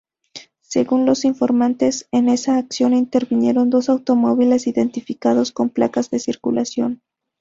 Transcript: Según los informantes, en esa acción intervinieron dos automóviles identificados con placas de circulación.